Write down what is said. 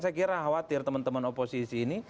saya kira khawatir teman teman oposisi ini